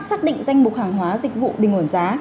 xác định danh mục hàng hóa dịch vụ bình ổn giá